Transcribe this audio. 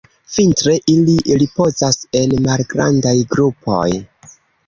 Vintre, ili ripozas en malgrandaj grupoj.